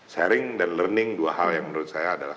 sharing dan learning dua hal yang menurut saya adalah